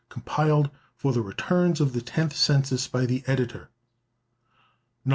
Compiled from the returns of the Tenth Census, by the Editor._ NOTE.